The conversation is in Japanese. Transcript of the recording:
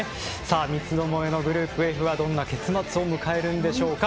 三つどもえのグループはどういった結末を迎えるんでしょうか。